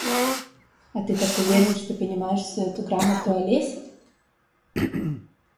А ты так уверен, что понимаешь всю эту грамоту о лесе.